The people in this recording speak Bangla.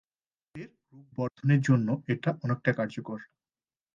মেয়েদের রূপ বর্ধনের জন্য এটা অনেকটা কার্যকর।